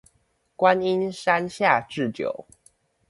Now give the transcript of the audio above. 觀音山下智久